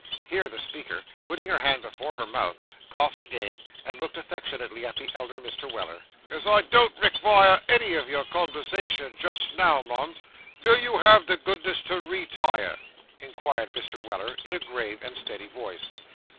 Here the speaker, putting her hand before her mouth, coughed again, and looked affectionately at the elder Mr. Weller. 'As I don't rekvire any o' your conversation just now, mum, vill you have the goodness to re tire?' inquired Mr. Weller, in a grave and steady voice.